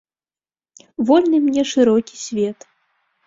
Вольны мне шырокі свет.